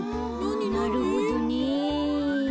なるほどね。